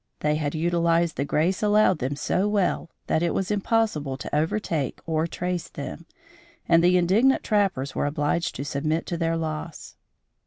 They had utilized the grace allowed them so well that it was impossible to overtake or trace them, and the indignant trappers were obliged to submit to their loss.